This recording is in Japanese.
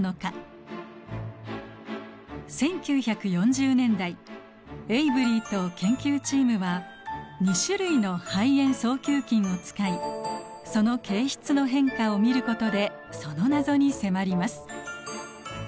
１９４０年代エイブリーと研究チームは２種類の肺炎双球菌を使いその形質の変化を見ることでその謎に迫ります。